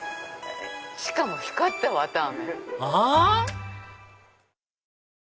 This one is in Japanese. しかも光った綿あめ。